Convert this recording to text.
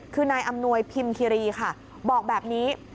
คือนายอำนวยพิมคิรีค่ะบอกแบบนี้